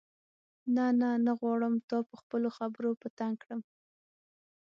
نه نه نه غواړم تا په خپلو خبرو په تنګ کړم.